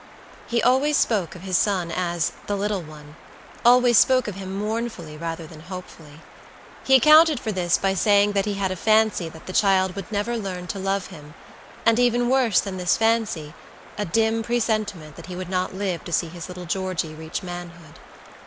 He always spoke of his son as "the little one;" always spoke of him mournfully rather than hopefully. He accounted for this by saying that he had a fancy that the child would never learn to love him; and worse even than this fancy, a dim presentiment that he would not live to see his little Georgey reach manhood.